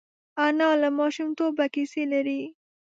انا له ماشومتوبه کیسې لري